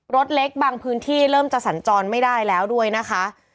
รถเล็กบางพื้นที่เริ่มจะสัญจรไม่ได้แล้วด้วยนะคะ